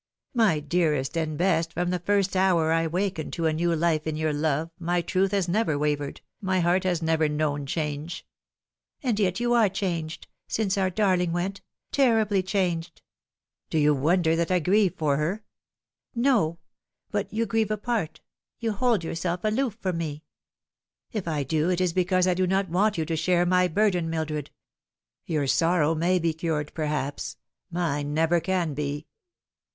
" My dearest and best, from the first hour I awakened to a new life in your love my truth has never wavered, my heart has never known change." " And yet you are changed since our darling went ter ribly changed." " Do you wonder that I grieve for her ?"" No, but you grieve apart you hold yourself aloof from me." " If I do it is because I do not want you to share my burden, Mildred. Your sorrow may be cured perhaps mine never can be.